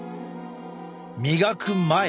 磨く前。